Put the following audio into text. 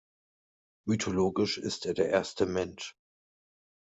Mythologisch ist er der erste Mensch.